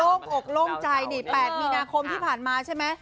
โล่งอกโล่งใจนี่๘มีนาคมที่ผ่านมาใช่ไหม